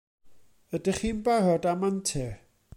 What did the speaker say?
Ydych chi'n barod am antur?